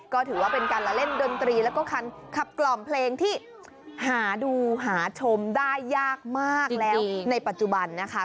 ก็ถือว่าเป็นการละเล่นดนตรีแล้วก็คันขับกล่อมเพลงที่หาดูหาชมได้ยากมากแล้วในปัจจุบันนะคะ